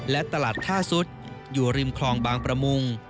และตลาดท่าซุดอยู่ริมคลองบางประมุง